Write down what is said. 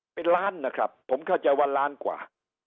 เป็นล้านนะครับผมเข้าใจว่าล้านกว่า